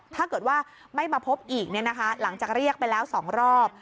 ถ้าเกิดว่าไม่มาพบอีกหลังจากเรียกไปแล้ว๒รอบ